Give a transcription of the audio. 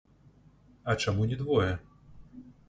А чаму не двое?